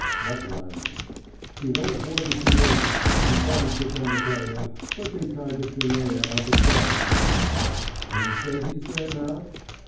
"What liner?" "He went aboard the Trunella. He thought he'd get down to Callao. But they tied the Trunella up at Guayaquil." "And you say he's there now?"